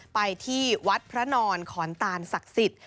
ไปที่วัดพระนอนขอนตานศักดิ์สิทธิ์